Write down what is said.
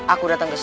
aku datang kesini